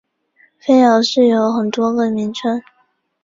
飞鸟寺有很多个名称。